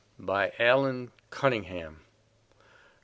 Allan Cunningham CCV.